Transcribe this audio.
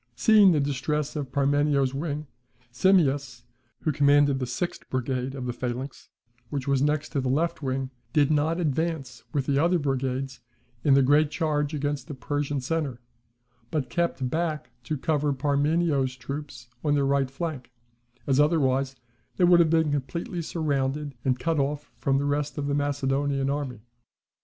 Seeing the distress of Parmenio's wing, Simmias, who commanded the sixth brigade of the phalanx, which was next to the left wing, did not advance with the other brigades in the great charge upon the Persian centre, but kept back to cover Parmenio's troops on their right flank; as otherwise they would have been completely surrounded and cut off from the rest of the Macedonian army.